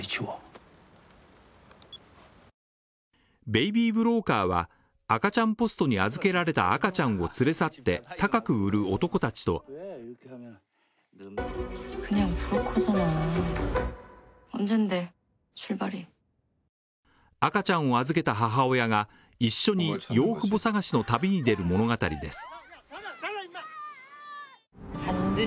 ベイビーブローカーは、赤ちゃんポストに預けられた赤ちゃんを連れ去って高く売る男たちと赤ちゃんを預けた母親が一緒に養父母探しの旅に出る物語です。